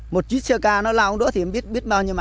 một chiếc xe cà nó lau không được thì em biết biết đâu nó kìa